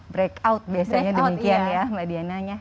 break out biasanya demikian ya mbak diana ya